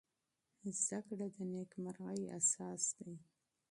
زده کړه د نېکمرغۍ اساس دی.